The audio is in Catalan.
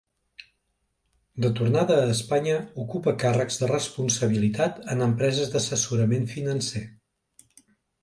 De tornada a Espanya, ocupa càrrecs de responsabilitat en empreses d'assessorament financer.